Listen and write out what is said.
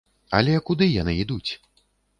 Але куды яны ідуць?